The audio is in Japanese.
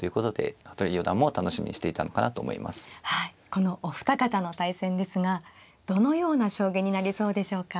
このお二方の対戦ですがどのような将棋になりそうでしょうか。